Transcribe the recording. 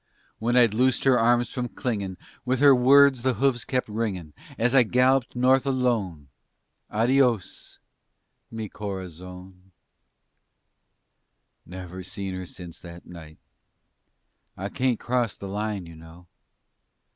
When I'd loosed her arms from clingin' With her words the hoofs kep' ringin' As I galloped north alone "Adios, mi corazon!" Never seen her since that night. I kaint cross the Line, you know.